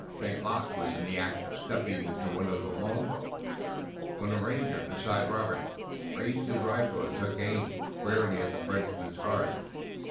St. Luc was in the act of stepping into one of the long boats when a ranger beside Robert raised his rifle and took aim squarely at the Frenchman's heart.